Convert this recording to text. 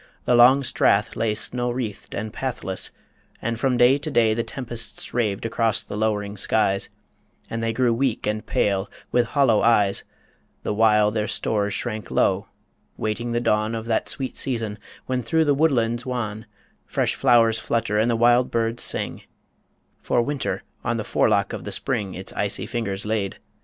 The long Strath lay Snow wreathed and pathless, and from day to day The tempests raved across the low'ring skies, And they grew weak and pale, with hollow eyes, The while their stores shrank low, waiting the dawn Of that sweet season when through woodlands wan Fresh flowers flutter and the wild birds sing For Winter on the forelock of the Spring Its icy fingers laid.